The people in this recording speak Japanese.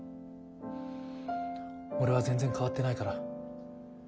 俺は全然変わってないから。